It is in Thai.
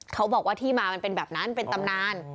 เขาบอกว่าที่มามันเป็นแบบนั้นเป็นตำนาน